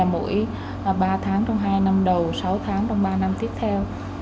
mỗi ba tháng trong hai năm đầu sáu tháng trong ba năm tiếp theo